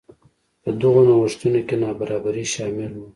په دغو نوښتونو کې نابرابري شامل وو.